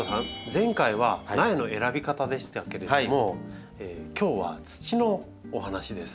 前回は苗の選び方でしたけれども今日は土のお話です。